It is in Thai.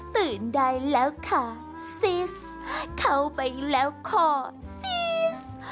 ตื่นได้แล้วค่ะซีสเข้าไปแล้วขอซีส